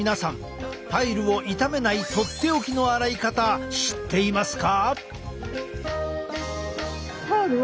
パイルを傷めないとっておきの洗い方知っていますか？